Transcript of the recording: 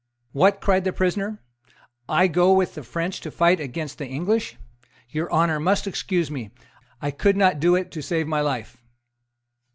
"What!" cried the prisoner; "I go with the French to fight against the English! Your honour must excuse me; I could not do it to save my life."